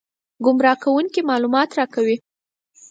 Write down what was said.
ګمراه کوونکي معلومات راکوي.